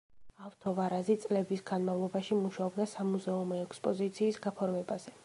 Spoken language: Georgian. ავთო ვარაზი წლების განმავლობაში მუშაობდა სამუზეუმო ექსპოზიციის გაფორმებაზე.